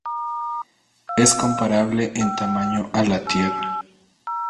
Es comparable en tamaño a la Tierra.